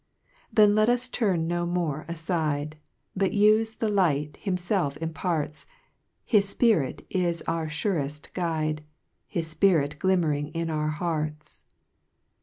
5 Then let us turn no more afidc, But ufe the light himfelf imparts, His Spirit is our fureft guide, His Spirit glimmering in our hearts.